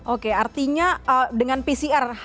oke artinya dengan pcr